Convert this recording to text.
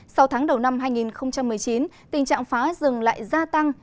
sau tháng đầu năm hai nghìn một mươi chín tình trạng phá rừng lại gia tăng